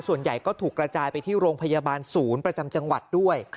ส่วนใหญ่ก็ถูกกระจายไปที่โรงพยาบาลศูนย์ประจำจังหวัดด้วย